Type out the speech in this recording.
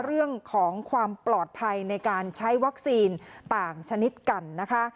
เรื่องของความปลอดภัยในการใช้วัคซีนต่างชนิดกันนะคะ